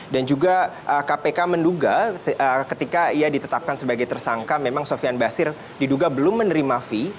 dan juga kpk menduga ketika ia ditetapkan sebagai tersangka memang sofian basir diduga belum menerima fee